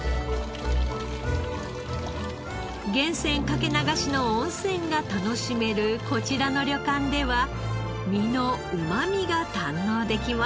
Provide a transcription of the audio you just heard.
源泉かけ流しの温泉が楽しめるこちらの旅館では身のうまみが堪能できます。